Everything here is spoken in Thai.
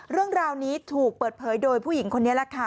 เรื่องราวนี้ถูกเปิดเผยโดยผู้หญิงคนนี้แหละค่ะ